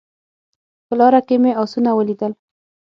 په لاره کې مې اسونه ولیدل